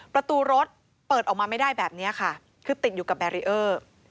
ประตูรถเปิดออกมาไม่ได้แบบนี้ค่ะคือติดอยู่กับแบรีเออร์